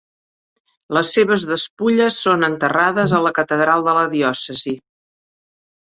Les seves despulles són enterrades a la Catedral de la diòcesi.